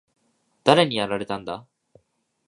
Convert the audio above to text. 誰にやられたんだ？